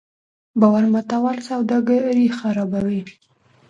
باور ماتول سوداګري خرابوي.